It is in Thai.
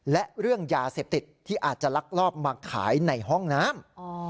และเรื่องยาเสพติดที่อาจจะลักลอบมาขายในห้องน้ำ